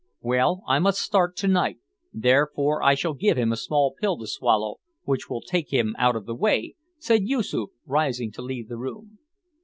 "Well, I must start to night, therefore I shall give him a small pill to swallow which will take him out of the way," said Yoosoof, rising to leave the room.